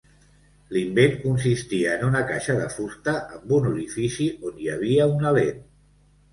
L'invent consistia en una caixa de fusta amb un orifici on hi havia una lent.